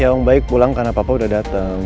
ya ngomong baik pulang karena papa udah dateng